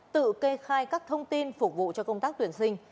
tự kê khai các thông tin phục vụ cho công tác tuyển sinh